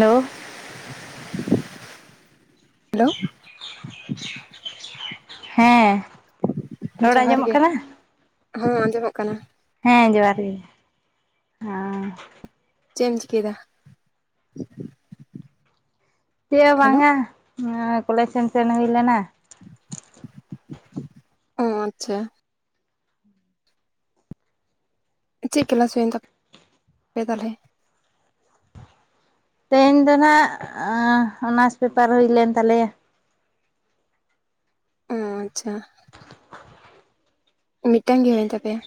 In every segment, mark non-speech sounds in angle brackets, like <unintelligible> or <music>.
Hello. Hello <unintelligible> <unintelligible> ᱦᱮᱸᱻ᱾ ᱡᱚᱦᱟᱨ ᱜᱮ, ᱦᱚᱸᱻ! ᱟᱸᱡᱚᱢᱚᱜ ᱠᱟᱱᱟ ᱾ ᱦᱮᱻ, ᱡᱚᱦᱟᱨ ᱜᱮ, ᱦᱟᱸᱻ ᱾ ᱪᱮᱜ ᱮᱢ ᱪᱤᱠᱟᱹᱭ ᱮᱫᱟ? ᱪᱮᱫ ᱦᱚᱸ ᱵᱟᱝᱟ ᱾ ᱚᱸᱻ ᱠᱚᱞᱮᱡᱽ ᱥᱮᱫ, ᱥᱮᱱ ᱦᱩᱭ ᱞᱮᱱᱟ ᱾ <unintelligible> ᱚᱼ ᱟᱪᱪᱷᱟ ᱾ ᱪᱮᱫ? ᱠᱞᱮᱞᱟᱥ ᱦᱩᱭᱮᱱ ᱛᱟᱯᱮ, ᱛᱟᱦᱚᱞᱮ, ᱛᱮᱦᱮᱧ ᱫᱚ ᱱᱷᱟᱜ, ᱚᱱᱟᱨᱥ ᱯᱮᱯᱟᱨ, ᱦᱩᱭ ᱞᱮᱱ ᱛᱟᱞᱮᱭᱟ ᱾ ᱚᱻ ᱟᱪᱪᱷᱟ ᱾ ᱢᱤᱫᱴᱮᱝ ᱜᱮ, ᱦᱩᱭᱮᱱ ᱛᱟᱯᱮᱭᱟ?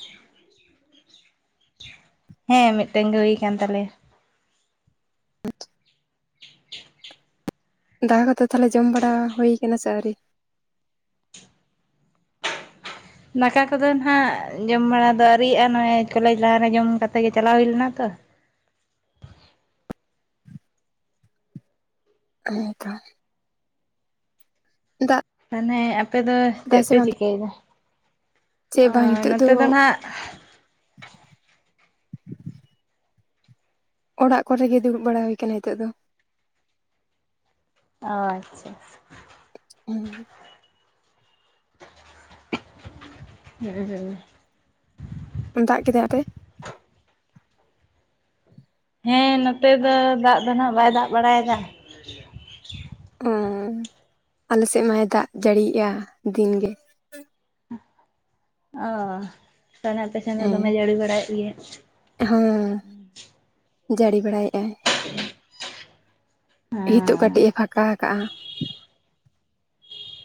ᱦᱮᱸ! ᱢᱤᱫᱴᱮᱱ ᱜᱮ, ᱦᱩᱭ ᱟᱠᱟᱱ ᱛᱟᱞᱮᱭᱟ ᱾ <unintelligible> ᱫᱟᱜᱟ ᱠᱚᱫᱚ, ᱛᱟᱦᱚᱞᱮ, ᱡᱚᱢ ᱵᱟᱲᱟ, ᱦᱩᱭ ᱟᱠᱟᱱᱟ ᱥᱮ, ᱟᱹᱣᱨᱤ? ᱫᱟᱠᱟ ᱠᱚᱫᱚ, ᱱᱷᱟᱜ, ᱡᱚᱢ ᱵᱟᱲᱟ ᱫᱚ, ᱟᱹᱣᱨᱤᱭᱟᱜᱼᱟ ᱾ ᱱᱚᱜᱼᱚᱭ ᱠᱚᱞᱮᱡᱽ ᱞᱟᱦᱟ ᱨᱮ, ᱡᱚᱢ ᱠᱟᱛᱮᱜ ᱜᱮ, ᱪᱟᱞᱟᱣ ᱦᱩᱭ ᱞᱮᱱᱟ ᱛᱚ ᱾ <unintelligible> ᱫᱟᱜ ᱾ ᱢᱟᱱᱮ, ᱟᱯᱮ ᱫᱚ, ᱪᱮᱫ ᱯᱮ, ᱪᱤᱠᱟᱹᱭᱮᱫᱟ? ᱪᱮᱫ ᱚᱻ ᱵᱟᱝ ᱱᱤᱛᱚᱜ ᱱᱚᱛᱮ ᱫᱚ, ᱱᱷᱟᱜ, ᱚᱲᱟᱜ ᱠᱚᱨᱮ ᱜᱮ, ᱫᱩᱲᱩᱵ ᱵᱟᱲᱟ ᱦᱩᱭ ᱟᱠᱟᱱᱟ ᱾ ᱱᱤᱛᱚᱜ ᱫᱚ ᱟᱻᱪᱪᱷᱟ ᱾ ᱳᱸᱻᱦᱚᱸ ᱾ <unintelligible> <inaudible> ᱫᱟᱜ ᱠᱮᱫᱟᱭ ᱟᱯᱮ? ᱦᱮᱸᱻ, ᱱᱚᱛᱮ ᱫᱚ, ᱫᱟᱜ ᱫᱚ ᱱᱷᱟᱜ, ᱵᱟᱭ ᱫᱟᱜ ᱵᱟᱲᱟ ᱭᱮᱫᱟ ᱾ ᱳᱸᱻ ᱟᱞᱮᱥᱮᱫ ᱢᱟᱭ, ᱫᱟᱜ ᱡᱟᱹᱲᱤ ᱭᱮᱜᱼᱟ, ᱫᱤᱱ ᱜᱮ ᱾ ᱟᱻ ᱛᱟᱦᱚᱞᱮ, ᱟᱯᱮᱥᱮᱱ ᱫᱚ, ᱫᱚᱢᱮ ᱡᱟᱹᱲᱤ ᱵᱟᱲᱟᱭᱮᱫ ᱜᱮᱭᱟ ᱾ ᱦᱚᱸᱻ, ᱡᱟᱹᱲᱤ ᱵᱟᱲᱟᱭᱮᱫᱼᱟᱭ ᱾ ᱚ ᱦᱤᱛᱚᱜ, ᱠᱟᱹᱴᱤᱡ ᱮ, ᱯᱷᱟᱠᱟ ᱟᱠᱟᱜᱼᱟᱭ ᱾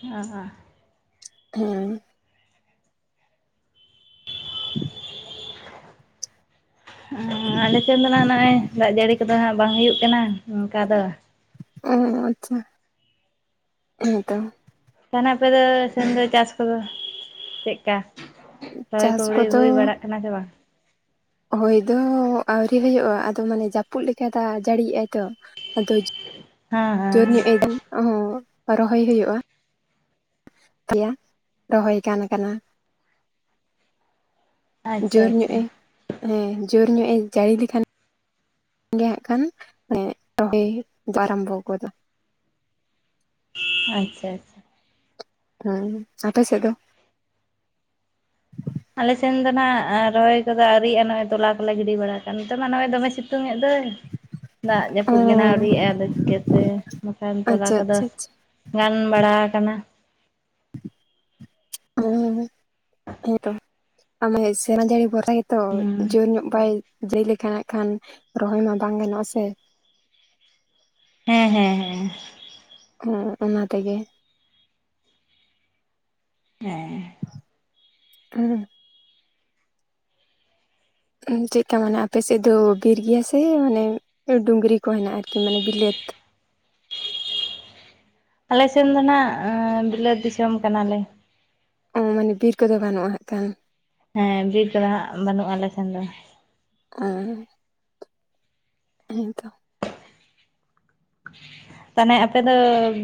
ᱟᱻ ᱦᱟ ᱾ ᱠᱷ-ᱦᱮᱸ ᱾ ᱟᱸ ᱟᱞᱮ ᱥᱮᱱ ᱫᱚ ᱱᱟᱜᱼᱚᱭ ᱫᱟᱜ ᱡᱟᱹᱲᱤ ᱠᱚᱫᱚ ᱦᱟᱸᱜ ᱵᱟᱝ ᱦᱩᱭᱩᱜ ᱠᱟᱱᱟ ᱚᱝᱠᱟ ᱫᱚ᱾ ᱟᱸ ᱟᱪᱪᱷᱟ ᱦᱮᱸᱛᱚ᱾ ᱛᱟᱦᱟᱞᱮ ᱟᱯᱮ ᱫᱚ ᱥᱮᱢ ᱫᱚ ᱪᱟᱥ ᱠᱚᱫᱚ ᱪᱮᱫᱠᱟ ᱨᱚᱦᱚᱭ ᱪᱟᱥ ᱠᱚ ᱠᱚᱫᱚ ᱦᱩᱭ ᱵᱟᱲᱟᱜ ᱮᱱᱟ ᱪᱮ ᱵᱟᱝ? ᱦᱳᱭ ᱫᱚ ᱟᱹᱣᱨᱤ ᱦᱩᱭᱩᱜᱼᱟ, ᱟᱫᱚ ᱢᱟᱱᱮ ᱡᱟᱹᱯᱩᱫ ᱞᱮᱠᱟ ᱫᱟᱜ ᱡᱟᱹᱲᱤ ᱮᱟᱭ ᱛᱚ ᱟᱫᱚ ᱦᱮᱸ ᱦᱮᱸ ᱡᱳᱨ ᱧᱚᱜᱼᱮ ᱳᱦ ᱨᱚᱦᱚᱭ ᱦᱩᱭᱩᱜᱼᱟ᱾ ᱛᱮᱭᱟ ᱨᱚᱦᱚᱭ ᱜᱟᱱ ᱠᱟᱱᱟ᱾ ᱟᱪᱪᱷᱟ ᱡᱳᱨ ᱟᱪᱪᱷᱟ ᱧᱚᱜᱼᱮ ᱦᱮᱸ ᱡᱳᱨ ᱧᱚᱜᱼᱮ ᱡᱟᱹᱲᱤ ᱞᱮᱠᱷᱟᱱ ᱜᱮ ᱦᱟᱸᱜ ᱠᱷᱟᱱ ᱨᱚᱦᱚᱭ ᱟᱨᱚᱢᱵᱚ ᱜᱚᱫᱚᱜ ᱟ᱾ ᱟᱪᱪᱷᱟ ᱟᱪᱪᱷᱟ ᱦᱮᱸ ᱟᱯᱮ ᱥᱮᱫ ᱫᱚ? ᱟᱞᱮ ᱥᱮᱱ ᱫᱚ ᱱᱟᱦᱟᱜ ᱨᱚᱦᱚᱭ ᱠᱚ ᱫᱚ ᱟᱨᱣᱤᱜᱼᱟ ᱱᱚᱜᱼᱚᱭ ᱛᱚᱞᱟ ᱠᱚ ᱞᱮ ᱜᱤᱰᱤ ᱵᱟᱲᱟ ᱠᱟᱜᱼᱟ ᱱᱤᱛᱚᱜ ᱢᱟ ᱱᱚᱜᱼᱚᱭ ᱫᱚᱢᱮ ᱥᱤᱛᱩᱝ ᱮᱫ ᱫᱚᱭ᱾ ᱫᱟᱜ ᱡᱟᱹᱯᱩᱫ ᱜᱮ ᱱᱟᱜ ᱚᱸ ᱟᱹᱣᱨᱤᱜᱼᱟ ᱟᱫᱚ ᱪᱤᱠᱟᱹᱛᱮ ᱵᱟᱠᱷᱟᱱ ᱛᱚᱞᱟ ᱟᱪᱪᱷᱟ ᱠᱚ ᱫᱚ ᱟᱪᱪᱷᱟ ᱟᱪᱪᱷᱟ ᱜᱟᱱ ᱵᱟᱲᱟ ᱟᱠᱟᱱᱟ᱾ ᱳᱦ ᱦᱮᱸ ᱛᱚ ᱟ ᱢᱟᱱᱮ ᱥᱮᱨᱢᱟ ᱡᱟᱲᱤ ᱵᱷᱚᱨᱥᱟ ᱜᱮ ᱛᱚ, ᱦᱮᱸ ᱡᱳᱨ ᱧᱚᱜ ᱵᱟᱭ ᱡᱟᱹᱭ ᱞᱮᱠᱷᱟᱱ ᱦᱟᱸᱜ ᱠᱷᱟᱱ ᱨᱚᱦᱚᱭ ᱢᱟ ᱵᱟᱝ ᱜᱟᱱᱚᱜᱼᱟ ᱥᱮ᱾ ᱦᱮᱸ ᱦᱮᱸ ᱦᱮᱸ᱾ ᱦᱩᱸ ᱚᱱᱟ ᱛᱮ ᱜᱮ᱾ ᱦᱮᱸ ᱦᱩᱸ ᱩᱦ ᱪᱮᱫᱠᱟ ᱢᱟᱱᱮ ᱟᱯᱮ ᱥᱮᱫ ᱫᱚ ᱵᱤᱨ ᱜᱮᱭᱟ ᱥᱮ ᱢᱟᱱᱮ ᱰᱩᱝᱨᱤ ᱠᱚ ᱦᱮᱱᱟᱜᱼᱟ ᱟᱨᱠᱤ ᱢᱟᱱᱮ ᱵᱤᱞᱟᱹᱛ? ᱟᱞᱮᱥᱮᱱ ᱫᱚ ᱱᱟᱦᱟᱜ ᱵᱤᱞᱟᱹᱛ ᱫᱤᱥᱚᱢ ᱠᱟᱱᱟᱞᱮ᱾ ᱚ ᱢᱟᱱᱮ ᱵᱤᱨ ᱠᱚ ᱫᱚ ᱵᱟᱹᱱᱩᱜᱼᱟ ᱦᱟᱸᱜ ᱠᱷᱟᱱ᱾ ᱦᱮᱸ ᱵᱤᱨ ᱠᱚ ᱫᱚ ᱦᱟᱸᱜ ᱵᱟᱱᱩᱜᱼᱟ ᱟᱞᱮ ᱥᱮᱱ ᱫᱚ᱾ ᱳᱦ ᱦᱮᱸ ᱛᱚ᱾ ᱛᱟᱦᱞᱮ ᱟᱯᱮ ᱫᱚ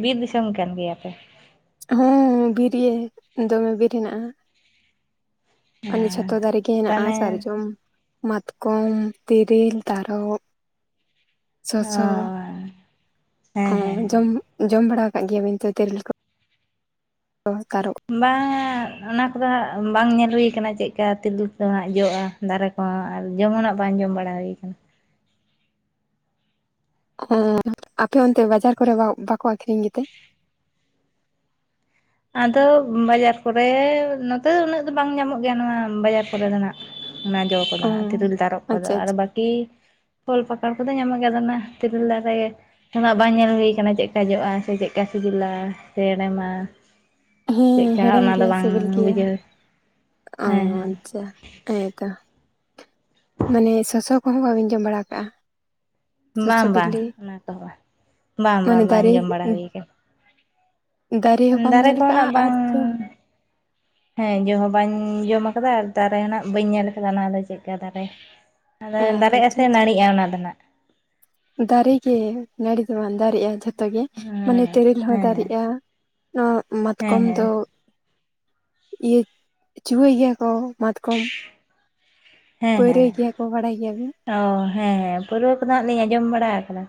ᱵᱤᱨ ᱫᱤᱥᱚᱢ ᱠᱟᱱ ᱜᱮᱭᱟ ᱯᱮ? ᱦᱳᱸ ᱵᱤᱨ ᱜᱮ ᱫᱚᱢᱮ ᱵᱤᱨ ᱦᱮᱱᱟᱜᱼᱟ᱾ ᱢᱟᱱᱮ ᱦᱮᱸ ᱷᱡᱚᱛᱚ ᱫᱟᱨᱮ ᱜᱮ ᱦᱮᱱᱟᱜᱼᱟ ᱛᱟᱦᱚᱞᱮ ᱥᱟᱨᱡᱚᱢ, ᱢᱟᱛᱠᱚᱢ, ᱛᱤᱨᱤᱞ, ᱛᱟᱨᱚᱵ, ᱚ ᱥᱚᱥᱚ, ᱦᱮᱸ ᱚ ᱦᱮᱸ ᱦᱮᱸ ᱡᱚᱢ ᱡᱚᱢ ᱵᱟᱲᱟ ᱟᱠᱟᱫ ᱜᱮᱭᱟᱵᱤᱱ ᱛᱚ ᱛᱮᱨᱮᱞ ᱠᱚ ᱛᱟᱨᱚᱵ ᱵᱟᱝᱼᱟ ᱚᱱᱟ ᱠᱚ ᱫᱚ ᱦᱟᱸᱜ ᱵᱟᱝ ᱧᱮᱞ ᱦᱩᱭ ᱠᱟᱱᱟ ᱪᱮᱫᱠᱟ ᱛᱮᱨᱤᱞ ᱠᱚ ᱫᱚ ᱦᱟᱸᱜ ᱡᱚᱜᱼᱟ᱾ ᱫᱟᱨᱮ ᱠᱚ ᱦᱟᱸᱜ ᱟᱨ ᱡᱚᱢ ᱦᱚᱸ ᱱᱟᱜ ᱵᱟᱝ ᱡᱚᱢ ᱵᱟᱲᱟ ᱦᱩᱭᱠᱟᱱᱟ᱾ ᱚᱜ ᱟᱯᱮ ᱚᱱᱛᱮ ᱵᱟᱡᱟᱨ ᱠᱚ ᱨᱮ ᱵᱟᱼᱵᱟᱠᱚ ᱟᱠᱷᱨᱤᱧ ᱜᱮᱛᱮ? ᱟᱫᱚ ᱵᱟᱡᱟᱨ ᱠᱚ ᱨᱮ ᱱᱚᱛᱮ ᱫᱚ ᱩᱱᱟᱹᱜ ᱫᱚ ᱵᱟᱝ ᱧᱟᱢᱚᱜ ᱜᱮᱭᱟ ᱱᱚᱣᱟ ᱵᱟᱡᱟᱨ ᱠᱚ ᱨᱮ ᱫᱚ ᱱᱟᱜ᱾ ᱚᱱᱟ ᱡᱚ ᱠᱚ ᱫᱚ ᱚ ᱦᱟᱸᱜ ᱛᱤᱨᱤᱞ ᱛᱟᱨᱚᱵ ᱠᱚ ᱫᱚ ᱟᱪᱪᱷᱟ ᱟᱨ ᱟᱪᱪᱷᱟ ᱵᱟᱠᱤ ᱤ ᱯᱷᱚᱞ ᱯᱟᱠᱚᱲ ᱠᱚ ᱫᱚ ᱧᱟᱢᱚᱜ ᱜᱮᱭᱟ ᱟᱫᱚ ᱚᱱᱟ ᱛᱤᱨᱤᱞ ᱫᱟᱨᱮ ᱥᱮ ᱱᱟᱜ ᱵᱟᱝ ᱧᱮᱞ ᱦᱩᱭ ᱠᱟᱱᱟ ᱪᱮᱫᱠᱟ ᱡᱚᱜᱼᱟ ᱥᱮ ᱪᱮᱫᱠᱟ ᱥᱤᱵᱤᱞᱟ ᱥᱮ ᱦᱮᱲᱮᱢᱟ, ᱦᱩᱸ ᱪᱮᱫᱠᱟ ᱦᱮᱲᱮᱢ ᱚᱱᱟ ᱫᱚ ᱜᱮᱭᱟ ᱵᱟᱝ ᱥᱤᱵᱤᱞ ᱜᱮᱭᱟ᱾ ᱵᱩᱡᱷᱟᱹᱣ ᱚ ᱦᱮᱸ ᱦᱮᱸ ᱟᱪᱪᱷᱟ᱾ ᱦᱮᱸ ᱛᱚ ᱢᱟᱱᱮ ᱥᱚᱥᱚ ᱠᱚ ᱦᱚᱸ ᱵᱟᱹᱵᱤᱱ ᱡᱚᱢ ᱵᱟᱲᱟ ᱠᱟᱜᱼᱟ? ᱥᱚᱥᱚ ᱵᱟᱝ ᱵᱟᱝ, ᱵᱤᱞᱤ ᱚᱱᱟ ᱠᱚ ᱦᱚᱸ ᱵᱟᱝ, ᱵᱟᱝ ᱢᱟᱱᱮ ᱵᱟᱝ, ᱵᱟᱝ ᱫᱟᱨᱮ ᱡᱚᱢ ᱵᱟᱲᱟ ᱦᱩᱭ ᱠᱟᱱᱟ᱾ ᱫᱟᱨᱮ ᱦᱚᱸ ᱵᱟᱢ ᱧᱮᱞ ᱦᱚᱸ ᱱᱟᱜ ᱠᱟᱜᱼᱟ ᱟᱨ ᱵᱟᱝ ᱡᱚᱢ ᱦᱮᱸ ᱡᱚᱢ ᱦᱚᱸ ᱵᱟᱧ ᱡᱚᱢ ᱟᱠᱟᱫᱟ ᱟᱨ ᱫᱟᱨᱮ ᱦᱚᱸ ᱱᱟᱜ ᱵᱟᱹᱧ ᱧᱮᱞ ᱟᱠᱟᱫᱟ ᱚᱱᱟᱫᱚ ᱪᱮᱫ ᱞᱮᱠᱟ ᱫᱟᱨᱮ᱾ ᱚ ᱟᱫᱚ ᱫᱟᱨᱮ ᱟ ᱟᱪᱪᱷᱟ ᱥᱮ ᱟᱪᱪᱷᱟ ᱱᱟᱹᱲᱤᱜᱼᱟ ᱚᱱᱟ ᱫᱚ ᱱᱟᱜ? ᱫᱟᱨᱮ ᱜᱮ ᱱᱟᱹᱲᱤ ᱫᱚ ᱵᱟᱝ ᱫᱟᱨᱮ ᱟᱜ ᱡᱟᱛ ᱛᱚ ᱜᱮ ᱢᱟᱱᱮ ᱦᱮᱸ ᱛᱮᱨᱮᱞ ᱦᱚᱸ ᱦᱮᱸ ᱫᱟᱨᱮᱜᱼᱟ ᱱᱚᱣᱟ ᱦᱮᱸ ᱢᱟᱛᱠᱚᱢ ᱦᱮᱸ ᱫᱚ ᱤᱭᱟᱹ ᱪᱩᱦᱟᱹᱭ ᱜᱮᱭᱟ ᱠᱚ ᱾ ᱢᱟᱛᱠᱚᱢ, ᱦᱮᱸ ᱦᱮᱸ ᱯᱟᱹᱣᱨᱟᱹᱭ ᱜᱮᱭᱟ ᱠᱚ ᱵᱟᱰᱟᱭ ᱜᱮᱭᱟᱵᱤᱱ? ᱚ ᱦᱮᱸ ᱦᱮᱸ ᱯᱟᱹᱨᱣᱟᱹ ᱠᱚᱫᱚ ᱦᱟᱸᱜ ᱞᱤᱧ ᱟᱸᱡᱚᱢ ᱵᱟᱲᱟ ᱠᱟᱫᱟ,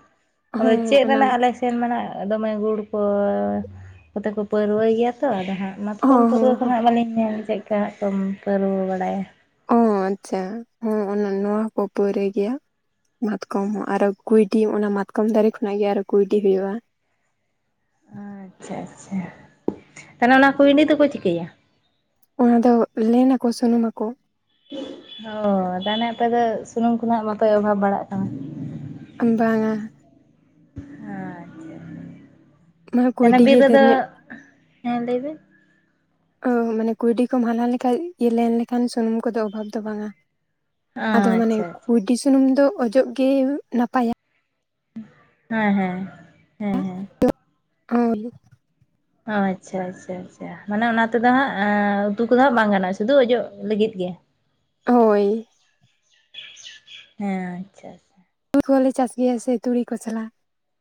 ᱟᱫᱚ ᱦᱚᱸ ᱪᱮᱜ ᱚᱱᱟ ᱨᱮᱱᱟᱜ ᱟᱞᱮ ᱥᱮᱱ ᱢᱮᱱᱟ ᱫᱚᱢᱮ ᱜᱩᱲ ᱠᱚ ᱠᱚᱛᱮ ᱠᱚ ᱯᱟᱹᱨᱣᱟᱹᱭ ᱜᱮᱭᱟ ᱛᱚ ᱟᱫᱚ ᱦᱟᱸᱜ ᱢᱟᱛᱠᱚᱢ ᱦᱚᱸ ᱦᱚᱸ ᱯᱟᱹᱨᱣᱟᱹ ᱫᱚ ᱦᱚᱸ ᱱᱟᱦᱟᱜ ᱵᱟᱹᱞᱤᱧ ᱧᱮᱞ ᱪᱮᱜᱠᱟ ᱦᱟᱸᱜ ᱠᱚ ᱯᱟᱹᱨᱣᱟᱹ ᱵᱟᱲᱟᱭᱟ᱾ ᱚ ᱟᱪᱪᱷᱟ, ᱦᱚᱸ ᱚᱱᱟ ᱱᱚᱣᱟ ᱦᱚᱸᱠᱚ ᱯᱟᱹᱣᱨᱟᱹᱭ ᱜᱮᱭᱟ ᱾ ᱢᱟᱛᱠᱚᱢ ᱦᱚᱸ ᱟᱨᱚ ᱠᱩᱭᱰᱤ ᱚᱱᱟ ᱢᱟᱛᱠᱚᱢ ᱫᱟᱨᱮ ᱠᱷᱚᱱᱟᱜ ᱜᱮ ᱟᱨᱚ ᱠᱩᱭᱰᱤ ᱦᱩᱭᱩᱜᱼᱟ ᱾ ᱟᱪᱪᱷᱟ ᱟᱪᱪᱷᱟ, ᱛᱟᱦᱚᱞᱮ ᱚᱱᱟ ᱠᱩᱭᱰᱤ ᱫᱚᱠᱚ ᱪᱤᱠᱟᱹᱭᱟ? ᱚᱱᱟ ᱫᱚ ᱞᱮᱱᱟᱠᱚ ᱥᱩᱱᱩᱢ ᱢᱟᱠᱚ ᱾ ᱚ, ᱛᱟᱦᱚᱞᱮ ᱟᱯᱮ ᱫᱚ ᱥᱩᱱᱩᱢ ᱠᱚᱱᱟᱜ ᱵᱟᱯᱮ ᱚᱵᱷᱟᱵᱽ ᱵᱟᱲᱟᱜ ᱠᱟᱱᱟ ᱾ ᱵᱟᱝᱼᱟ᱾ ᱟᱪᱪᱷᱟ, ᱢᱟᱱᱮ ᱛᱮ ᱱᱟ ᱠᱩᱭᱰᱤ ᱵᱤᱨ ᱜᱮ ᱨᱮᱫᱚ ᱰᱷᱮᱨ ᱧᱚᱜ ᱦᱮᱸ, ᱞᱮᱵᱤᱱ? ᱳ ᱢᱟᱱᱮ ᱠᱩᱭᱰᱤ ᱠᱚ ᱦᱟᱞᱟᱝ ᱞᱮᱠᱷᱟᱡ ᱤᱭᱟᱹ ᱞᱮᱱ ᱞᱮᱠᱷᱟᱱ ᱥᱩᱱᱩᱢ ᱠᱚᱫᱚ ᱚᱵᱷᱟᱵᱽ ᱫᱚ ᱵᱟᱝᱼᱟ ᱾ ᱟᱫᱚ ᱢᱟᱱᱮ ᱟᱪᱪᱷᱟ ᱟᱪᱪᱷᱟ ᱠᱩᱭᱰᱤ ᱥᱩᱱᱩᱢ ᱫᱚ ᱚᱡᱚᱜ ᱜᱮ ᱱᱟᱯᱟᱭᱟ ᱾ ᱦᱮᱸ ᱦᱮᱸ, ᱦᱮᱸ ᱦᱮᱸ ᱾ ᱚᱨ ᱚ ᱟᱪᱪᱷᱟ ᱟᱪᱪᱷᱟ ᱟᱪᱪᱷᱟ ᱾ ᱢᱟᱱᱮ ᱚᱱᱟ ᱛᱮᱫᱚ ᱦᱟᱸᱜ ᱩᱛᱩ ᱠᱚᱫᱚ ᱦᱟᱸᱜ ᱵᱟᱝ ᱜᱟᱱᱚᱜᱼᱟ, ᱥᱩᱫᱷᱩ ᱚᱡᱚᱜ ᱞᱤᱜᱤᱫ ᱜᱮ ᱾ ᱦᱳᱭ ᱾ ᱦᱮᱸ, ᱟᱪᱪᱷᱟ ᱾ ᱦᱩᱣᱟᱹ ᱞᱮ ᱪᱟᱥ ᱜᱮᱭᱟ ᱥᱮ ᱛᱩᱲᱤ ᱠᱚ ᱥᱟᱞᱟᱜ ᱾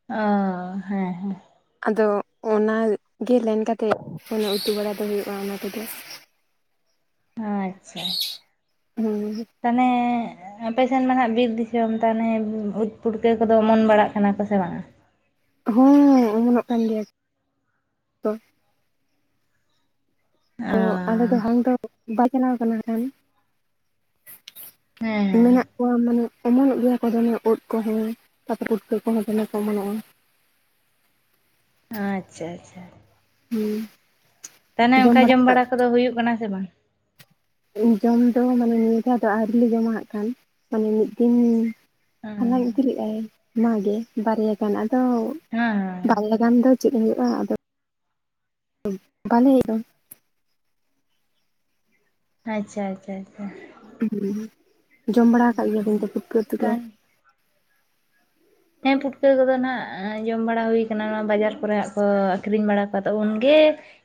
ᱚ, ᱦᱮᱸ ᱦᱮᱸ᱾ ᱟᱫᱚ ᱚᱱᱟ ᱜᱮ ᱞᱮᱱ ᱠᱟᱛᱮᱜ ᱠᱚᱱᱚ ᱩᱛᱩ ᱵᱟᱲᱟ ᱫᱚ ᱦᱳᱭᱳᱜᱼᱟ ᱚᱱᱟ ᱛᱮᱫᱚ᱾ ᱟᱪᱪᱷᱟ ᱾ <unintelligible> ᱛᱟᱱᱮ ᱟᱯᱮ ᱥᱮᱱ ᱢᱟ ᱱᱟᱦᱟᱜ ᱵᱤᱨ ᱫᱤᱥᱚᱢ ᱛᱟᱞᱦᱮ ᱳᱫ ᱯᱩᱴᱠᱟᱹ ᱠᱚᱫᱚ ᱚᱢᱚᱱ ᱵᱟᱲᱟᱜ ᱠᱟᱱᱟ ᱠᱚ ᱥᱮ ᱵᱟᱝᱟ? ᱦᱩᱸ ᱚᱢᱚᱱᱚᱜ ᱠᱟᱱ ᱜᱮᱭᱟ᱾ ᱠᱚ ᱛᱚ, ᱚ ᱟᱞᱮ ᱫᱚ ᱦᱟᱝ ᱫᱚ ᱵᱟᱭ ᱪᱟᱞᱟᱣ ᱠᱟᱱᱟ ᱦᱟᱜᱠᱷᱟᱱ ᱦᱮᱸ ᱾ ᱦᱮᱸ ᱢᱮᱱᱟᱜ ᱠᱚᱣᱟ ᱢᱟᱱᱮ ᱚᱢᱚᱱᱚᱜ ᱜᱮᱭᱟ ᱠᱚ ᱫᱚᱢᱮ ᱳᱫ ᱠᱚᱦᱚᱸ ᱛᱟᱯᱚᱨ ᱯᱩᱴᱠᱟᱹ ᱠᱚᱦᱚᱸ ᱫᱚᱢᱮ ᱠᱚ ᱚᱢᱚᱱᱚᱜᱼᱟ ᱾ ᱟᱪᱪᱷᱟ ᱟᱪᱪᱷᱟ ᱟᱪᱪᱷᱟ ᱾ ᱦᱩᱸ᱾ ᱛᱟᱱᱮ ᱚᱝᱠᱟ ᱡᱚᱢ ᱵᱟᱲᱟ ᱠᱚᱫᱚ ᱦᱳᱭᱳᱜ ᱠᱟᱱᱟ ᱥᱮ ᱵᱟᱝ? ᱡᱚᱢ ᱫᱚ ᱢᱟᱱᱮ ᱱᱤᱭᱟᱹ ᱫᱷᱟ ᱫᱚ ᱟᱹᱣᱨᱤ ᱞᱮ ᱡᱚᱢᱟᱜ ᱦᱟᱜ ᱠᱷᱟᱱ, ᱢᱟᱱᱮ ᱢᱤᱫ ᱫᱤᱱ ᱦᱟᱞᱟᱝ ᱦᱮᱸ ᱤᱫᱤ ᱞᱮᱜᱟᱭ ᱢᱟ ᱜᱮ ᱵᱟᱨᱭᱟ ᱜᱟᱱ, ᱟᱫᱚ ᱦᱮᱸ ᱵᱟᱨᱮᱭᱟ ᱜᱟᱱ ᱫᱚ ᱪᱮᱫ ᱦᱳᱭᱳᱜᱼᱟ? ᱟᱫᱚ <inaudible> ᱵᱟᱞᱮ ᱤᱫᱚ ᱟᱪᱪᱷᱟ ᱟᱪᱪᱷᱟ ᱟᱪᱪᱷᱟ ᱾ ᱩᱸ ᱦᱩᱸ, ᱡᱚᱢ ᱵᱟᱲᱟ ᱠᱟᱜ ᱜᱮᱭᱟᱵᱤᱱ ᱛᱚ ᱯᱩᱴᱠᱟᱹ ᱩᱛᱩ ᱠᱚ? ᱛᱟᱦᱚᱞᱮ ᱦᱮᱸ, ᱯᱩᱴᱠᱟᱹ ᱠᱚᱫᱚ ᱱᱟᱜ ᱡᱚᱢ ᱵᱟᱲᱟ ᱦᱩᱭ ᱠᱟᱱᱟ, ᱵᱟᱡᱟᱨ ᱠᱚᱨᱮ ᱦᱟᱸᱜ ᱠᱚ ᱟᱹᱠᱷᱨᱤᱧ ᱵᱟᱲᱟ ᱠᱚᱣᱟ ᱛᱚ ᱩᱱᱜᱮ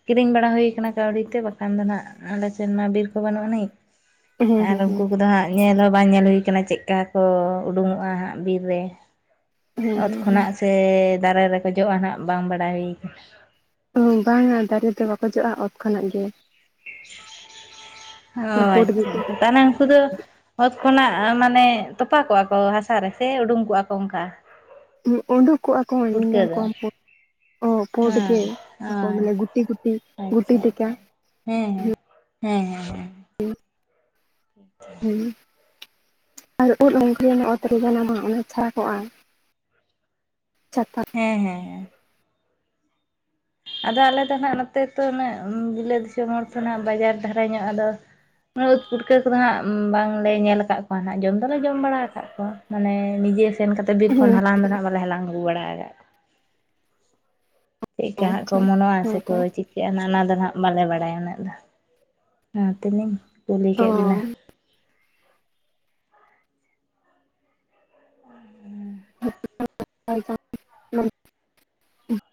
ᱠᱤᱨᱤᱧ ᱵᱟᱲᱟ ᱦᱳᱭ ᱠᱟᱱᱟ ᱠᱟᱹᱣᱰᱤ ᱛᱮ, ᱵᱟᱠᱷᱟᱱ ᱫᱚ ᱦᱟᱸᱜ ᱟᱞᱮ ᱥᱮᱱ ᱢᱟ ᱵᱤᱨ ᱠᱚ ᱵᱟᱹᱱᱩᱜ ᱟᱹᱱᱤᱡ ᱦᱮᱸ ᱾ ᱟᱨ ᱦᱮᱸ ᱦᱮᱸ ᱩᱱᱠᱩ ᱠᱚᱫᱚ ᱦᱟᱸᱜᱼᱼ ᱧᱮᱞ ᱦᱚᱸ ᱵᱟᱝ ᱧᱮᱞ ᱦᱩᱭ ᱟᱠᱟᱱᱟ ᱪᱮᱫᱠᱟ ᱠᱚ ᱩᱰᱩᱝᱚᱜᱼᱟ ᱦᱟᱸᱜ ᱵᱤᱨ ᱨᱮ? ᱦᱮᱸ ᱚᱛ ᱦᱮᱸ ᱠᱷᱚᱱᱟᱜ ᱥᱮ ᱫᱟᱨᱮ ᱨᱮᱠᱚ ᱡᱚᱜᱼᱟ ᱱᱟᱜ ᱵᱟᱝ ᱵᱟᱲᱟᱭ ᱦᱩᱭ ᱠᱟᱱᱟ᱾ ᱵᱟᱝᱟ ᱫᱟᱨᱮ ᱫᱚ ᱵᱟᱠᱚ ᱡᱚᱜᱼᱟ ᱚᱛ ᱠᱷᱚᱱᱟᱜ ᱜᱮ ᱚ, ᱯᱩᱸᱰ ᱟᱪᱪᱷᱟ ᱜᱮᱠᱚ ᱛᱟᱦᱞᱮ ᱩᱱᱠᱩ ᱫᱚᱼᱼ ᱚᱛ ᱠᱷᱚᱱᱟᱜ ᱢᱟᱱᱮ ᱛᱚᱯᱟ ᱠᱚᱜᱼᱟ ᱠᱚ ᱦᱟᱥᱟ ᱨᱮ, ᱥᱮ ᱩᱰᱩᱝ ᱠᱚᱜᱼᱟ ᱠᱚ ᱚᱱᱠᱟ᱾ ᱩᱰᱩᱠᱚᱜᱼᱟ ᱠᱚ ᱧᱮᱞ ᱯᱩᱴᱠᱟᱹ ᱧᱟᱢ ᱫᱚ ᱠᱚᱣᱟᱼᱼ ᱚ ᱯᱩᱸᱰ ᱦᱮᱸ ᱜᱮ ᱢᱟᱱᱮ ᱟᱪᱪᱷᱟ ᱜᱩᱴᱤ ᱜᱩᱴᱤ ᱜᱩᱴᱤ ᱟᱪᱪᱷᱟ ᱞᱮᱠᱟ᱾ ᱦᱮᱸ ᱦᱮᱸ ᱦᱮᱸ ᱦᱮᱸ ᱦᱮᱸ᱾ <inaudible> ᱦᱩᱸ, ᱟᱨ ᱩᱫ ᱚᱝᱠᱟ ᱜᱮ ᱧᱟᱢᱚᱜᱼᱟ ᱚᱛᱨᱮ ᱡᱮᱱᱚ ᱵᱟᱝ ᱚᱱᱟ ᱪᱷᱟᱰᱟ ᱠᱚᱜᱼᱟ ᱾ ᱪᱟ ᱠᱟᱠᱼᱼ ᱦᱮᱸ ᱦᱮᱸ ᱦᱮᱸ ᱾ ᱟᱫᱚ ᱟᱞᱮ ᱫᱚ ᱦᱟᱸᱜ ᱱᱚᱛᱮ ᱛᱚ ᱩᱱᱟᱹᱜ ᱵᱤᱞᱟᱹ ᱫᱤᱥᱚᱢ ᱦᱚᱲ ᱛᱚ ᱦᱟᱸᱜ ᱵᱟᱡᱟᱨ ᱫᱷᱟᱨᱟ ᱧᱚᱜ ᱟᱫᱚᱼᱼ ᱩᱫ ᱯᱩᱴᱠᱟᱹ ᱠᱚᱫᱚ ᱦᱟᱸᱜ ᱵᱟᱝ ᱞᱮ ᱧᱮᱞ ᱟᱠᱟᱫ ᱠᱚᱣᱟ ᱦᱟᱸᱜ ᱡᱚᱢ ᱫᱚᱞᱮ ᱡᱚᱢ ᱵᱟᱲᱟ ᱟᱠᱟᱫ ᱠᱚᱣᱟ ᱢᱟᱱᱮ ᱱᱤᱡᱮᱼᱼ ᱥᱮᱱ ᱠᱟᱛᱮᱫ ᱵᱤᱨ ᱠᱷᱚᱱ ᱦᱮᱸ ᱦᱟᱞᱟᱝ ᱫᱚ ᱱᱟᱦᱟᱜ ᱵᱟᱞᱮ ᱦᱟᱞᱟᱝ ᱟᱹᱜᱩ ᱵᱟᱲᱟ ᱟᱠᱟᱛᱼᱼ ᱪᱮᱫ ᱠᱟ ᱦᱟᱸᱜ ᱠᱚ ᱟᱪᱪᱷᱟ ᱢᱚᱱᱚᱜᱼᱟ ᱦᱮᱸ ᱥᱮᱠᱚ ᱛᱚ ᱪᱮᱫᱼᱼ ᱚᱱᱟ ᱫᱚ ᱱᱟᱦᱟᱜ ᱵᱟᱞᱮ ᱵᱟᱲᱟᱭᱟ ᱩᱱᱟᱹᱜ ᱫᱚ ᱚᱱᱟᱛᱮᱞᱤᱧ ᱠᱩᱞᱤ ᱠᱮᱫ ᱵᱮᱤᱱᱟ᱾ ᱛᱚ <unintelligible>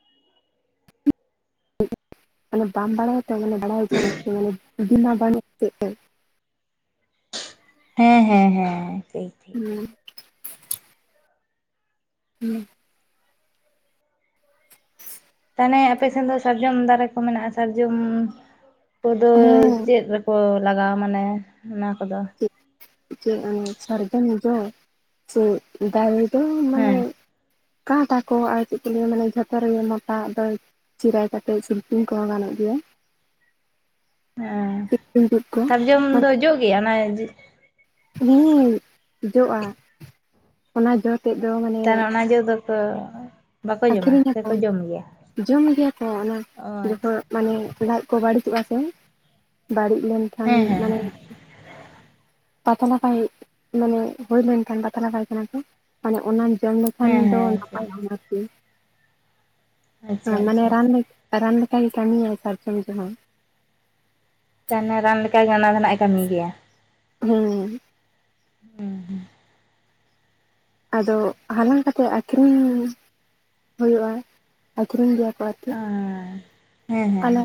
<unintelligible> ᱢᱟᱱᱮ ᱵᱟᱢ ᱵᱟᱲᱟᱭᱟ ᱛᱚ ᱢᱟᱱᱮ ᱵᱟᱲᱟᱭ ᱦᱚᱪᱚ ᱢᱮ ᱢᱟᱱᱮ ᱫᱤᱱ ᱦᱚ ᱵᱟᱹᱱᱩᱜ ᱦᱮᱸ ᱦᱮᱸ ᱦᱮᱸ ᱴᱷᱤᱠᱼᱼ ᱦᱩᱸ ᱦᱮᱸ ᱛᱟᱦᱚᱞᱮ ᱟᱯᱮ ᱥᱮᱫ ᱫᱚ ᱥᱟᱨᱡᱚᱢ ᱫᱟᱨᱮ ᱠᱚ ᱢᱮᱱᱟᱜᱼᱟ ᱥᱟᱨᱡᱚᱢᱼᱼ ᱠᱚᱫᱚ ᱪᱮᱫ ᱨᱮᱠᱚ ᱞᱟᱜᱟᱣᱟ ᱢᱟᱱᱮ ᱚᱱᱟ ᱠᱚᱫᱚ? ᱪᱮᱫ ᱥᱟᱨᱡᱚᱢ ᱡᱚ ᱥᱮᱼᱼ ᱫᱟᱨᱮ ᱫᱚ ᱦᱮᱸ ᱢᱟᱱᱮᱼᱼ ᱠᱟᱴ ᱟᱠᱚ ᱟᱨ ᱪᱮᱫ ᱠᱚ ᱞᱟᱹᱭᱟ ᱢᱟᱱᱮ ᱡᱷᱚᱛᱚ ᱨᱮᱜᱮ ᱢᱚᱴᱟ ᱟᱜ ᱫᱚ ᱪᱤᱨᱟ ᱠᱟᱛᱮᱫ ᱥᱤᱞᱯᱤᱧ ᱠᱚᱦᱚᱸ ᱜᱟᱱᱚᱜ ᱜᱮᱭᱟ᱾ ᱦᱮᱸ ᱥᱤᱞᱯᱤᱧ ᱛᱩᱫ ᱠᱚ ᱥᱟᱨᱡᱚᱢ ᱫᱚ ᱡᱚᱜ ᱜᱮᱭᱟ ᱚᱱᱟ᱾ ᱦᱚᱢ ᱡᱚᱜᱼᱟ ᱚᱱᱟ ᱡᱚᱼᱼ ᱮᱫ ᱫᱚ ᱢᱟᱱᱮᱼᱼ ᱛᱟᱦᱚᱞᱮ ᱚᱱᱟ ᱡᱚ ᱫᱚᱠᱚᱼᱼ ᱟᱠᱠᱷᱨᱤᱧ ᱟᱠᱚ ᱡᱚᱢ ᱜᱮᱭᱟᱠᱚ ᱚᱱᱟ ᱚ ᱡᱚᱠᱷᱚᱱᱼᱼ ᱟᱪᱪᱷᱟ ᱢᱟᱱᱮ ᱞᱟᱡ ᱠᱚ ᱵᱟᱹᱲᱤᱡᱚᱜᱼᱟ ᱥᱮ ᱵᱟᱹᱲᱤᱡ ᱞᱮᱱᱠᱷᱟᱱ ᱦᱮᱸ ᱦᱮᱸ ᱢᱟᱱᱮᱼᱼ ᱦᱮᱸ ᱯᱟᱛᱞᱟ ᱯᱟᱭ ᱢᱟᱱᱮ ᱦᱳᱭ ᱞᱮᱱᱠᱷᱟᱱ ᱯᱟᱛᱞᱟ ᱯᱟᱭᱠᱷᱟᱱᱟ ᱠᱚ ᱢᱟᱱᱮ ᱚᱱᱟᱼᱼ ᱡᱚᱢ ᱞᱮᱠᱷᱟᱱ ᱦᱮᱸ ᱫᱚ ᱦᱮᱸ ᱱᱟᱯᱟᱭ ᱟᱨᱠᱤ ᱟᱪᱪᱷᱟ ᱢᱟᱱᱮ ᱟᱪᱪᱷᱟ ᱟᱪᱪᱷᱟ ᱨᱟᱱᱼᱼ ᱨᱟᱢ ᱞᱮᱠᱟ ᱜᱮᱭ ᱠᱟᱹᱢᱤᱭᱟᱭ ᱥᱟᱨᱡᱚᱢ ᱡᱚ ᱦᱚᱸᱼᱼ ᱛᱟᱦᱞᱮ ᱨᱟᱱ ᱞᱮᱠᱟᱜᱮ ᱚᱱᱟ ᱫᱚ ᱱᱟᱜ ᱮ ᱠᱟᱹᱢᱤ ᱜᱮᱭᱟ᱾ ᱦᱮᱸ ᱦᱩᱸ ᱦᱩᱸ ᱟᱫᱚ ᱦᱟᱞᱟᱝ ᱠᱟᱛᱮ ᱟᱠᱷᱨᱤᱧ ᱦᱩᱭᱩᱜᱼᱟ ᱟᱠᱷᱨᱤᱧ ᱜᱮᱭᱟ᱾ ᱚᱣᱟᱛᱮ ᱚ ᱦᱮᱸ ᱦᱮᱸ ᱟᱞᱮ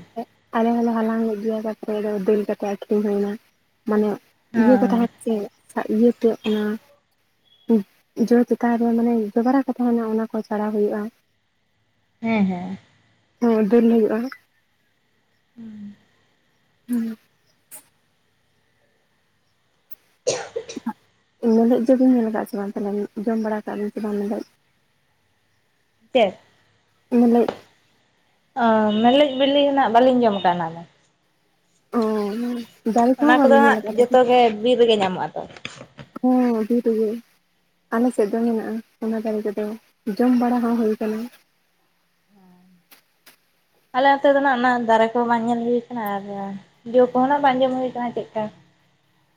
ᱟᱞᱮ ᱦᱚᱸᱞᱮ ᱦᱟᱞᱟᱝ ᱞᱮᱫᱟ ᱜᱮᱭᱟ ᱛᱟᱯᱚᱨᱮᱫᱚ ᱫᱟᱹᱞ ᱠᱟᱛᱮᱫ ᱟᱠᱷᱨᱤᱧ ᱦᱩᱭᱱᱟ ᱢᱟᱱᱮᱼᱼ ᱤᱭᱟᱹ ᱠᱚ ᱦᱳᱭ ᱛᱟᱦᱮ ᱪᱮᱫ ᱤᱭᱟᱹᱛᱮ ᱚᱱᱟᱼᱼ ᱡᱚ ᱪᱮᱛᱟᱱ ᱨᱮ ᱢᱟᱱᱮ ᱡᱚᱵᱲᱟ ᱠᱚ ᱛᱟᱦᱮᱱᱟ ᱚᱱᱟ ᱠᱚ ᱪᱟᱬᱟᱣ ᱦᱩᱭᱩᱜᱼᱟ ᱦᱮᱸ ᱦᱮᱸ ᱦᱚᱸ <unintelligible> ᱦᱩᱭᱩᱜᱼᱟ ᱦᱩᱸ ᱦᱮᱸ <inaudible> ᱢᱮᱱ ᱞᱮᱫ ᱡᱚ ᱵᱮᱱ ᱧᱮᱞ ᱟᱠᱟᱫᱼᱟ ᱥᱮ ᱵᱟᱝ ᱛᱟᱦᱚᱞᱮ ᱡᱚᱢ ᱵᱟᱲᱟ ᱠᱟᱜ ᱟᱵᱮᱱ ᱥᱮ ᱵᱟᱝ ᱢᱮᱱ ᱞᱮᱫ ᱪᱮᱫ ᱢᱮᱞᱮᱡ ᱚ ᱢᱮᱞᱮᱡ ᱵᱤᱞᱤ ᱚ ᱦᱟᱸᱜ ᱵᱟᱹᱞᱤᱧ ᱡᱚᱢ ᱠᱟᱜ ᱚᱱᱟ ᱫᱚᱼᱼ <unintelligible> ᱚᱱᱟ ᱠᱚ ᱫᱚ ᱵᱟᱵᱤᱱ ᱧᱮᱞ ᱦᱟᱸᱜ ᱟᱠᱟᱫ ᱛᱟᱯᱮ ᱡᱚᱛᱚᱜ ᱜᱮ ᱵᱤᱨ ᱨᱮ ᱜᱮ ᱧᱟᱢᱚᱜ ᱟ ᱛᱚ ᱚ ᱵᱤᱨ ᱨᱮ ᱜᱮᱼᱼ ᱟᱞᱮ ᱥᱮᱫ ᱫᱚ ᱢᱮᱱᱟᱜᱼᱟ ᱚᱱᱟ ᱫᱟᱨᱮ ᱠᱚ ᱫᱚ ᱡᱚᱢ ᱵᱟᱲᱟ ᱦᱚᱸ ᱦᱩᱭ ᱟᱠᱟᱱᱟ ᱟᱞᱮ ᱟᱹᱛᱩ ᱫᱚ ᱱᱟᱜ ᱚᱱᱟ ᱫᱟᱨᱮ ᱠᱚ ᱦᱚᱸ ᱵᱟᱝ ᱧᱮᱞ ᱦᱩᱭ ᱠᱟᱱᱟ ᱟᱨ ᱡᱚ ᱠᱚᱦᱚᱸ ᱱᱟᱜ ᱵᱟᱝ ᱡᱚᱢ ᱦᱩᱭ ᱟᱠᱟᱱᱟ ᱪᱮᱫᱠᱟ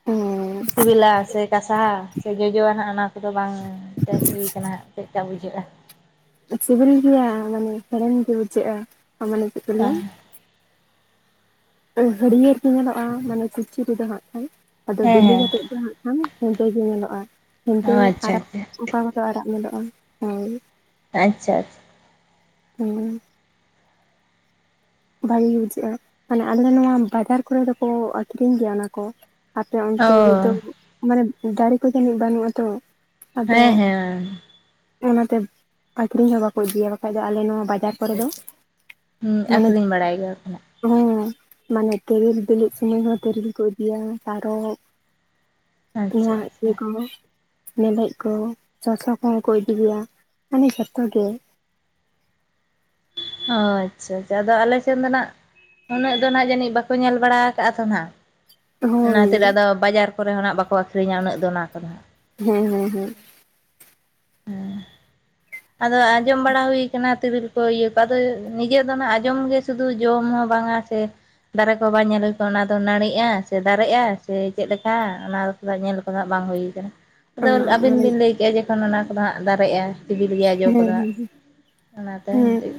ᱦᱮᱸ ᱥᱤᱵᱤᱞᱟ ᱥᱮ ᱠᱟᱥᱟ ᱥᱮ ᱡᱚᱡᱚᱣᱟᱜ ᱱᱟᱦᱟᱜ ᱚᱱᱟ ᱠᱚ ᱫᱚ ᱵᱟᱝᱼᱼ ᱴᱮᱥ ᱦᱩᱭ ᱟᱠᱟᱱᱟ ᱪᱮᱫ ᱠᱟ ᱵᱩᱡᱷᱟᱹᱜᱼᱟ ᱥᱤᱵᱤᱞ ᱜᱮᱭᱟ ᱢᱟᱱᱮ ᱦᱮᱲᱮᱢ ᱜᱮ ᱵᱩᱡᱷᱟᱹᱜᱼᱟ ᱢᱟᱱᱮ ᱪᱮᱫ ᱠᱚ ᱞᱟᱹᱭᱟ ᱦᱟᱹᱨᱭᱟᱹᱲ ᱜᱮ ᱧᱮᱞᱚᱜᱼᱟ ᱢᱟᱱᱮ ᱠᱩᱪᱤ ᱨᱮᱫᱚ ᱦᱟᱸᱜ ᱠᱷᱟᱱ ᱟᱫᱚ ᱦᱮᱸ ᱵᱤᱞᱤ ᱦᱮᱸ ᱠᱟᱛᱮᱜ ᱫᱚ ᱦᱟᱸᱜ <unintelligible> ᱦᱮᱸᱫᱮ ᱜᱮ ᱧᱮᱞᱚᱜᱼᱟ ᱚ ᱦᱮᱸᱫᱮ ᱟᱪᱪᱷᱟ ᱟᱨᱟᱜ ᱟᱪᱪᱷᱟ ᱚᱠᱟ ᱠᱚ ᱫᱚ ᱟᱨᱟᱜ ᱧᱮᱞᱚᱜᱼᱟ ᱦᱳᱭ ᱟᱪᱪᱷᱟ ᱟᱪᱪᱷᱟ ᱦᱩᱸ ᱵᱷᱟᱹᱜᱤ ᱜᱮ ᱵᱩᱡᱟᱜᱼᱟ ᱢᱟᱱᱮ ᱟᱞᱮ ᱱᱚᱣᱟ ᱵᱟᱡᱟᱨ ᱠᱚᱨᱮ ᱫᱚᱠᱚ ᱟᱹᱠᱷᱨᱤᱧ ᱜᱮᱭᱟ ᱚᱱᱟ ᱠᱚ ᱟᱯᱮ ᱚᱱᱛᱮ ᱨᱮᱫᱚ ᱚ ᱢᱟᱱᱮ ᱫᱟᱨᱮ ᱠᱚ ᱡᱟᱹᱱᱤᱡ ᱵᱟᱹᱱᱩᱜ ᱟᱛᱚ ᱟᱫᱚ ᱦᱮᱸ ᱦᱮᱸ ᱚᱱᱟ ᱛᱮ ᱟᱠᱷᱨᱤᱧ ᱦᱚᱸ ᱵᱟᱠᱚ ᱤᱫᱤᱭᱟ ᱵᱟᱠᱷᱟᱡ ᱫᱚ ᱟᱞᱮ ᱱᱚᱣᱟ ᱵᱟᱡᱟᱨᱼᱼ ᱠᱚᱨᱮ ᱫᱚ ᱦᱩᱸ ᱢᱟᱱᱮᱼᱼ ᱟᱠᱷᱨᱤᱧ ᱵᱟᱲᱟᱭ ᱜᱮᱭᱟ <unintelligible> ᱦᱮᱸ ᱢᱟᱱᱮ ᱛᱤᱨᱤᱞ ᱵᱤᱞᱤᱜ ᱥᱚᱢᱚᱭ ᱦᱚᱸ ᱛᱤᱨᱤᱞ ᱠᱚ ᱤᱫᱤᱭᱟ ᱛᱟᱨᱚᱵᱼᱼ ᱟᱪᱪᱷᱟ ᱱᱚᱣᱟ ᱟᱪᱪᱷᱟ ᱤᱭᱟᱹ ᱠᱚᱼᱼ ᱢᱮᱞᱮᱡ ᱠᱚ ᱥᱚᱥᱟ ᱠᱚ ᱦᱚᱸ ᱠᱚ ᱤᱫᱤ ᱜᱮᱭᱟ ᱢᱟᱱᱮ ᱡᱚᱛᱚ ᱜᱮ ᱚ ᱟᱪᱪᱷᱟ ᱟᱪᱪᱷᱟ ᱟᱫᱚ ᱟᱞᱮ ᱴᱷᱮᱱ ᱫᱚ ᱱᱟᱜ ᱩᱱᱟᱹᱜ ᱫᱚ ᱱᱟᱦᱟᱜ ᱡᱟᱹᱱᱤᱡ ᱵᱟᱠᱚ ᱧᱮᱞ ᱵᱟᱲᱟ ᱟᱠᱟᱫᱼᱟ ᱛᱚ ᱦᱟᱸᱜ ᱚᱱᱟ ᱦᱳᱭ ᱠᱷᱟᱹᱛᱤᱨ ᱟᱫᱚ ᱵᱟᱡᱟᱨ ᱠᱚᱨᱮ ᱦᱚᱸ ᱱᱟᱜ ᱵᱟᱠᱚ ᱟᱹᱠᱷᱨᱤᱧᱟ ᱩᱱᱟᱹᱜ ᱫᱚ ᱚᱱᱟ ᱠᱚᱫᱚ ᱦᱟᱸᱜ ᱦᱮᱸ ᱦᱮᱸ ᱦᱮᱸ ᱟᱫᱚ ᱟᱸᱡᱚᱢ ᱵᱟᱲᱟ ᱦᱩᱭ ᱠᱟᱱᱟ ᱛᱤᱨᱤᱞ ᱠᱚ ᱤᱭᱟᱹ ᱠᱚ ᱟᱫᱚ ᱱᱤᱡᱮ ᱫᱚ ᱟᱸᱡᱚᱢ ᱜᱮ ᱥᱩᱫᱩ ᱥᱩ ᱡᱚᱢ ᱦᱚᱸ ᱵᱟᱝᱟ ᱥᱮᱼᱼ ᱫᱟᱨᱮ ᱠᱚ ᱵᱟᱝ ᱧᱮᱞ ᱦᱩᱭ ᱠᱚᱜᱼᱟ ᱚᱱᱟ ᱫᱚ ᱱᱟᱹᱲᱤᱜᱼᱟ ᱥᱮ ᱫᱟᱨᱮᱜᱼᱟ ᱥᱮ ᱪᱮᱫ ᱞᱮᱠᱟ ᱚᱱᱟᱼᱼ ᱟ ᱧᱮᱞ ᱠᱚ ᱫᱚ ᱦᱟᱸᱜ ᱵᱟᱝ ᱦᱩᱭ ᱠᱟᱱᱟ ᱟᱫᱚ ᱟᱹᱵᱤᱱ ᱢᱟᱱᱮ ᱵᱤᱱ ᱞᱟᱹᱭ ᱠᱮᱜᱼᱟ ᱡᱚᱠᱷᱚᱱ ᱚᱱᱟ ᱠᱚᱫᱚ ᱦᱟᱸᱜ ᱫᱟᱨᱮᱜᱼᱟ ᱥᱤᱵᱤᱞ ᱜᱮᱭᱟ ᱡᱚ ᱠᱚᱫᱚ ᱦᱮᱸ ᱦᱟᱸᱜ ᱦᱮᱸ ᱚᱱᱟ ᱛᱮ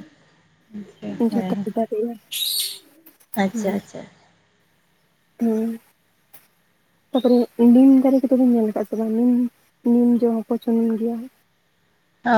ᱦᱮᱸ <unintelligible> <inaudible> ᱟᱪᱪᱷᱟ ᱟᱪᱪᱷᱟ ᱦᱩᱸ ᱛᱟᱯᱚᱨᱮ ᱱᱤᱢ ᱫᱟᱨᱮ ᱠᱚ ᱫᱚ ᱵᱚᱱ ᱧᱮᱞ ᱟᱠᱟᱫ ᱥᱮ ᱵᱟᱝ ᱱᱤᱢ ᱱᱤᱢ ᱡᱚ ᱦᱚᱸᱠᱚ <unintelligible> ᱜᱮᱭᱟ ᱚᱻ